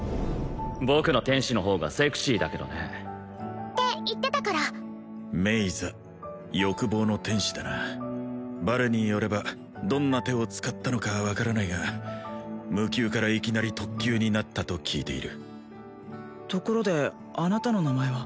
僕の天使の方がセクシーだけどねって言ってたからメイザ欲望の天使だなバレによればどんな手を使ったのか分からないが無級からいきなり特級になったと聞いているところであなたの名前は？